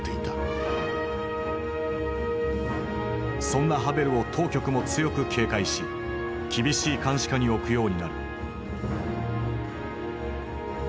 そんなハヴェルを当局も強く警戒し厳しい監視下に置くようになる。